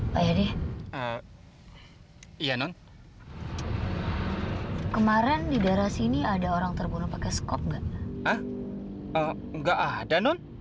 pak yeni iya non kemarin di daerah sini ada orang terbunuh pakai skop enggak ah enggak ada non